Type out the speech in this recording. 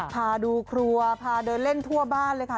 พาดูครัวพาเดินเล่นทั่วบ้านเลยค่ะ